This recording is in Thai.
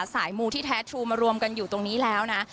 มูที่แท้ทูมารวมกันอยู่ตรงนี้แล้วนะ